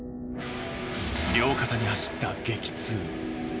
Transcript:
両肩に走った激痛。